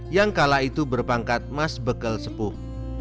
yang kala itu berpangkat mas bekal sepuh